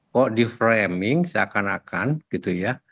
kok di framing seakan akan gitu ya